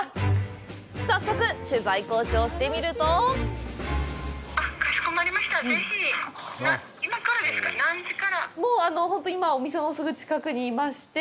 早速、取材交渉してみるともう本当に今お店のすぐ近くにいまして。